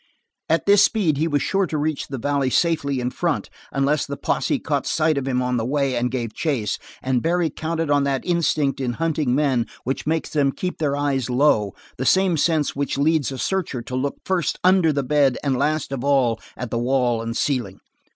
At this speed he was sure to reach the valley safely in front unless the posse caught sight of him on the way and gave chase, and Barry counted on that instinct in hunting men which makes them keep their eyes low the same sense which leads a searcher to look first under the bed and last of all at the wall and ceiling.